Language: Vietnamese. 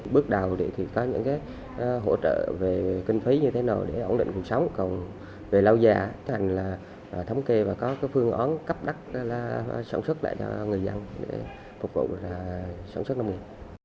bước đầu thì có những hỗ trợ về kinh phí như thế nào để ổn định cuộc sống còn về lâu dài thành là thống kê và có cái phương án cấp đất sản xuất lại cho người dân để phục vụ sản xuất nông nghiệp